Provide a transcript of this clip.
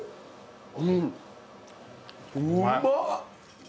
うまっ！